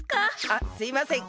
あっすいません。